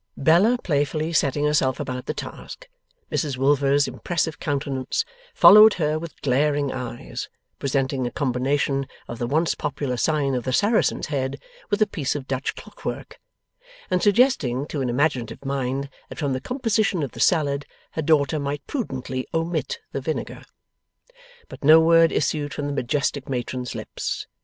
Bella playfully setting herself about the task, Mrs Wilfer's impressive countenance followed her with glaring eyes, presenting a combination of the once popular sign of the Saracen's Head, with a piece of Dutch clock work, and suggesting to an imaginative mind that from the composition of the salad, her daughter might prudently omit the vinegar. But no word issued from the majestic matron's lips.